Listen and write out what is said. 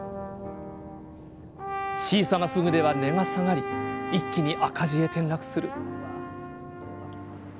小さなふぐでは値が下がり一気に赤字へ転落する。